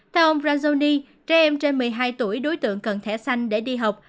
theo ông prajoni trẻ em trên một mươi hai tuổi đối tượng cần thẻ xanh để đi học